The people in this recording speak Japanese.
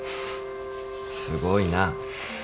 すごいな。